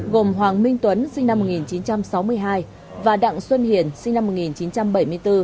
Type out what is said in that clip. gồm hoàng minh tuấn sinh năm một nghìn chín trăm sáu mươi hai và đặng xuân hiền sinh năm một nghìn chín trăm bảy mươi bốn